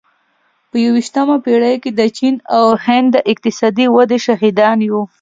په یوویشتمه پېړۍ کې د چین او هند د اقتصادي ودې شاهدان یو.